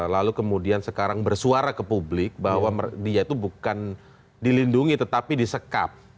lalu kemudian sekarang bersuara ke publik bahwa dia itu bukan dilindungi tetapi disekap